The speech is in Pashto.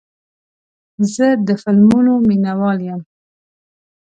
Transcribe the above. زه د فلمونو مینهوال یم.